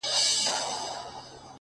خو دا چي فريادي بېچارگى ورځيني هېر سو.!